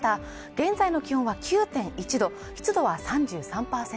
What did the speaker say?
現在の気温は９．１度湿度は３３％